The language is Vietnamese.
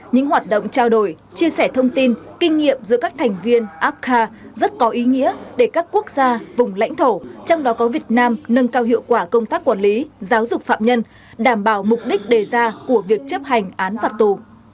những hoạt động trao đổi chia sẻ thông tin kinh nghiệm giữa các thành viên apca rất có ý nghĩa để các quốc gia vùng lãnh thổ trong đó có việt nam nâng cao hiệu quả công tác quản lý giáo dục phạm nhân đảm bảo mục đích đề ra của việc chấp hành án phạt tù